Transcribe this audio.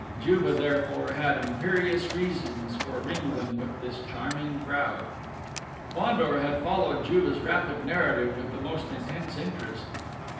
Juve, therefore, had imperious reasons for mingling with this charming crowd!... Fandor had followed Juve's rapid narrative with the most intense interest.